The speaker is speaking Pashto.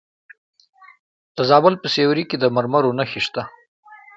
د زابل په سیوري کې د مرمرو نښې شته.